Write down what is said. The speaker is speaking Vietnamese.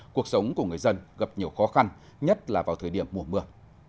cuộc sống của người dân gặp nhiều khó khăn nhất là vào thời điểm mùa mưa